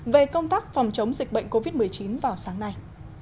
về công tác phòng chống dịch bệnh covid một mươi chín vào sáng nay